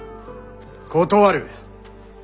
断る！